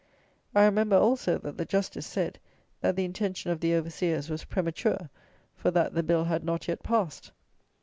I remember, also, that the Justice said, that the intention of the Overseers was "premature," for that "the Bill had not yet passed"!